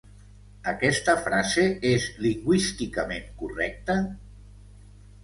Aquesta frase és lingüísticament correcta?